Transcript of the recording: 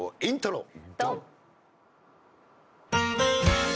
イントロ。